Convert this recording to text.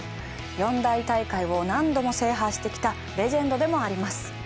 ４大大会を何度も制覇してきたレジェンドでもあります。